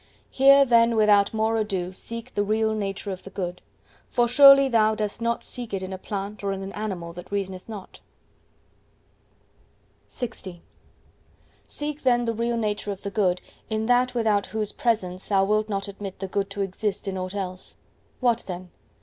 Here then without more ado seek the real nature of the Good. For surely thou dost not seek it in a plant or in an animal that reasoneth not. LX Seek then the real nature of the Good in that without whose presence thou wilt not admit the Good to exist in aught else.—What then?